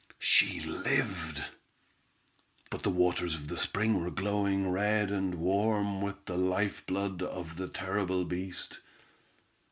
She lived! but the waters of the spring were glowing red and warm with the lifeblood of the terrible beast.